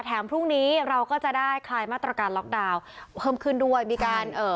พรุ่งนี้เราก็จะได้คลายมาตรการล็อกดาวน์เพิ่มขึ้นด้วยมีการเอ่อ